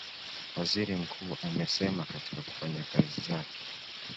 Waziri Mkuu amesema katika kufanya kazi zake